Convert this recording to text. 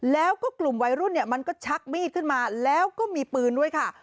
แล้วก็กลุ่มวัยรุ่นเนี่ยมันก็ชักมีดขึ้นมาแล้วก็มีปืนด้วยค่ะ